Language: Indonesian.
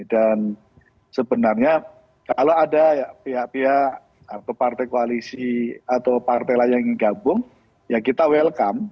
dan sebenarnya kalau ada pihak pihak atau partai koalisi atau partai lain yang gabung ya kita welcome